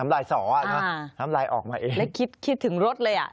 แล้วคิดถึงรถเลย